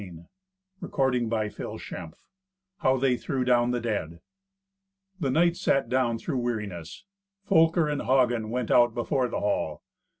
Thirty Fourth Adventure How They Threw Down the Dead The knights sat down through weariness. Folker and Hagen went out before the hall.